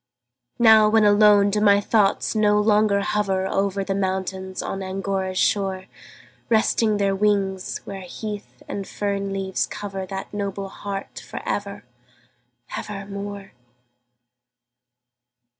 Now, when alone, do my thoughts no longer hover Over the mountains on Angora's shore, Resting their wings, where heath and fern leaves cover That noble heart for ever, ever more?